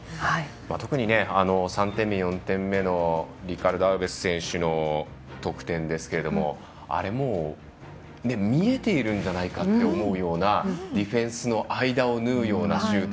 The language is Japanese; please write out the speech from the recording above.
特に３点目、４点目のリカルド・アウベス選手の得点ですけれどもあれ、もう見えているんじゃないかと思うようなディフェンスの間を縫うようなシュート。